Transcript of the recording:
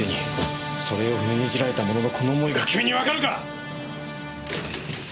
それを踏みにじられた者のこの思いが君にわかるか！？